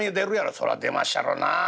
「そら出まっしゃろなあ」。